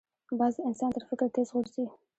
باز د انسان تر فکر تېز غورځي